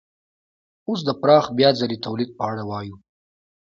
اوس د پراخ بیا ځلي تولید په اړه وایو